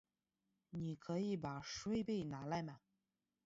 你可以把水杯拿来吗？